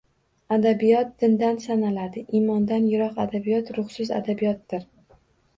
Adabiyot dindan sanaladi. Imondan yiroq adabiyot ruhsiz adabiyotdir.